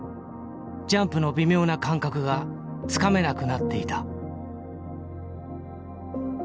ジャンプの微妙な感覚がつかめなくなっていた。